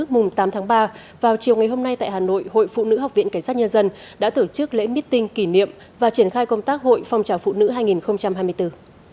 mùng tám tháng ba vào chiều ngày hôm nay tại hà nội hội phụ nữ học viện cảnh sát nhân dân đã tổ chức lễ meeting kỷ niệm và triển khai công tác hội phong trào phụ nữ hai nghìn hai mươi bốn